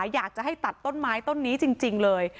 อยากจะให้ตัดต้นไม้ต้นนี้จริงเลย